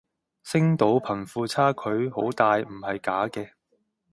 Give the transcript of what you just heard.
星島貧富差距好大唔係假嘅